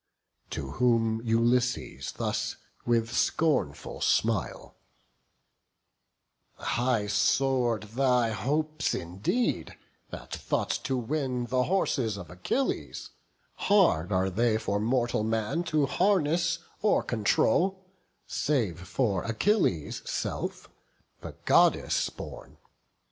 To whom Ulysses thus with scornful smile: "High soar'd thy hopes indeed, that thought to win The horses of Achilles; hard are they For mortal man to harness or control, Save for Achilles' self, the Goddess born.